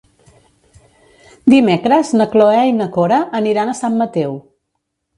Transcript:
Dimecres na Cloè i na Cora aniran a Sant Mateu.